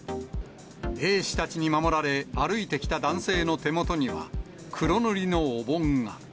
衛視たちに守られ、歩いてきた男性の手元には、黒塗りのお盆が。